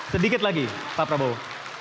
sedikit lagi pak prabowo